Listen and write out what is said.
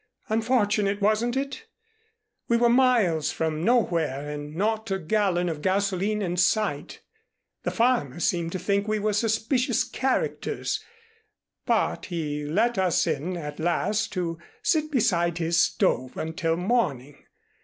Unfortunate wasn't it? We were miles from nowhere and not a gallon of gasoline in sight. The farmer seemed to think we were suspicious characters, but he let us in at last to sit beside his stove until morning.